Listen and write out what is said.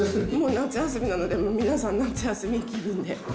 夏休みなので、もう皆さん、夏休み気分で。